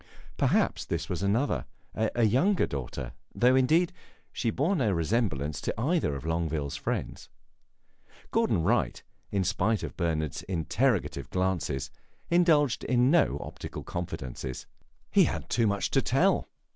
Perhaps this was another, a younger daughter, though, indeed, she bore no resemblance to either of Longueville's friends. Gordon Wright, in spite of Bernard's interrogative glances, indulged in no optical confidences. He had too much to tell.